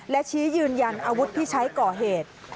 และชี้ยืนยันอาวุธที่ใช้ก่อเหตุ